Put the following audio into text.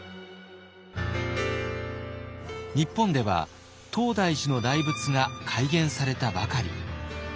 日本では東大寺の大仏が開眼されたばかり。